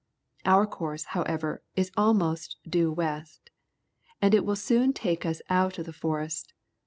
Our course, however, is almost due west, and it will soon take us out of the forest.